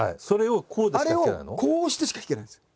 それをこうでしか弾けないの？